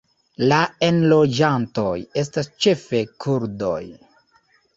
La enloĝantoj estas ĉefe kurdoj.